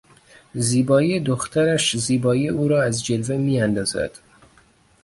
زیبایی دخترش زیبایی او را از جلوه میاندازد.